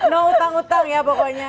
no utang utang ya pokoknya